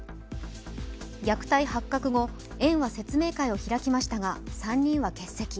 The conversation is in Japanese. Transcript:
虐待発覚後、園は説明会を開きましたが３人は欠席。